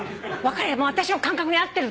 私の感覚に合ってると思って。